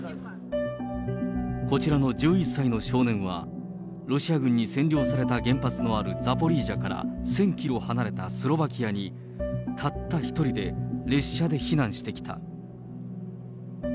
こちらの１１歳の少年は、ロシア軍に占領された原発のあるザポリージャから、１０００キロ離れたスロバキアに、たった一人で列車で避難してきた。